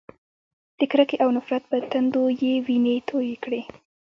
د کرکې او نفرت په تندو یې وینې تویې کړې.